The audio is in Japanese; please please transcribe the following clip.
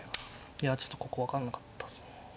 いやちょっとここ分かんなかったっすね。